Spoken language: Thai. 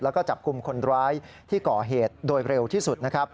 แล้วก็จับกลุ่มคนร้ายที่ก่อเหตุโดยเร็วที่สุดนะครับ